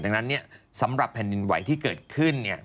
ดังนั้นเนี่ยสำหรับแผ่นดินไหวที่เกิดขึ้นเนี่ย